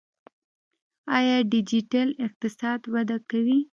آیا ډیجیټل اقتصاد وده کوي؟